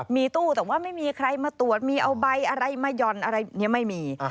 มีตู้แต่ว่าไม่มีใครมาตรวจมีเอาใบอะไรมาหย่อนอะไรนี้ไม่มี